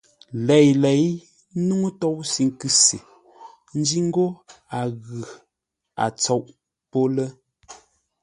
Léi-lěi nuŋú tóusʉ nkʉ se, ńjí ńgó a ghʉ, a tsôʼ pô lə́.